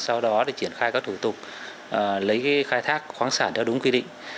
sau đó thì triển khai các thủ tục lấy cái khai thác khoáng sản theo đúng quy định